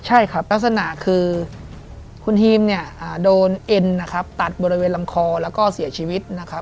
ใช่ครับลักษณะคือคุณฮีมโดนเอ็นตัดบริเวณลำคอแล้วก็เสียชีวิต